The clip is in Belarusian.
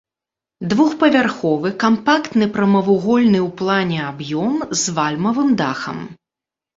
Двухпавярховы кампактны прамавугольны ў плане аб'ём з вальмавым дахам.